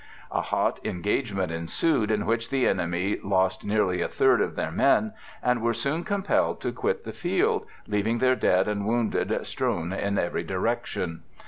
A hot engagement ensued, in which the enemy lost nearly a third of their men, and were soon compelled to quit the field, leaving their dead and wounded strewn in every direction.